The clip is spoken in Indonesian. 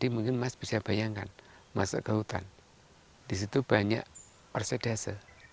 mungkin mas bisa bayangkan masuk ke hutan di situ banyak persendase